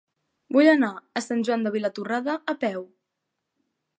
Vull anar a Sant Joan de Vilatorrada a peu.